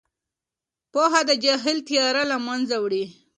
پوهه د جهل تیاره له منځه وړي.